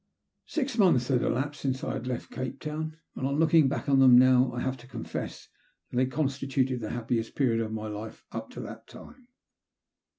SIX months had elapsed since I had left Cai>e Town, and on looking back on them now I have to confess that they constituted the happiest period of my life up to that time.